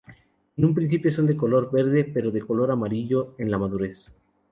En un principio son de color verde, pero de color amarillo en la madurez.